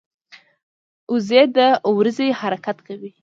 وزې د ورځي حرکت کوي